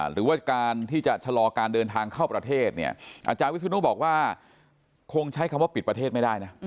หรือว่าการที่จะชะลอการเดินทางเข้าประเทศเนี่ยอาจารย์วิศนุบอกว่าคงใช้คำว่าปิดประเทศไม่ได้นะ